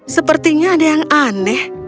sepertinya ada yang aneh